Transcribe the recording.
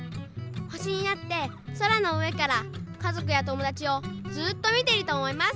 ほしになってそらのうえからかぞくやともだちをずっとみてるとおもいます。